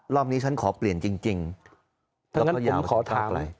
รอบนี้ฉันขอเปลี่ยนจริงจริงถ้างั้นผมขอถามอะไร